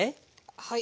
はい。